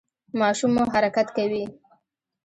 ماشوم مو حرکت کوي؟